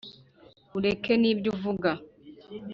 ureke n’ibyo uvuga